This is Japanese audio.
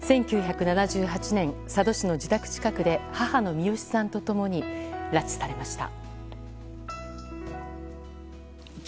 １９７８年、佐渡市の自宅近くで母のミヨシさんと共に拉致されました。